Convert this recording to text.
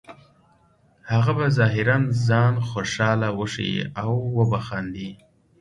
هغه به ظاهراً ځان خوشحاله وښیې او وبه خاندي